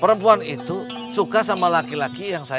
perempuan itu suka sama laki laki yang saya